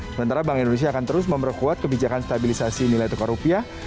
sementara bank indonesia akan terus memperkuat kebijakan stabilisasi nilai tukar rupiah